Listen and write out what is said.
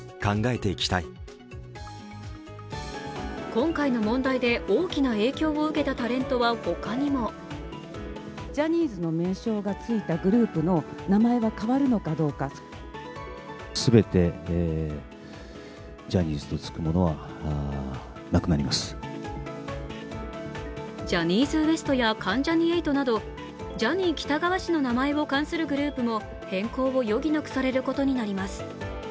今回の問題で、大きな影響を受けたタレントは他にもジャニーズＷＥＳＴや関ジャニ∞などジャニー喜多川氏の名前を冠するグループも変更を余儀なくされることになります。